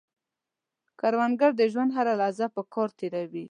کروندګر د ژوند هره لحظه په کار تېروي